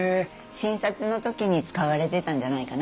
診察の時に使われてたんじゃないかなと思います。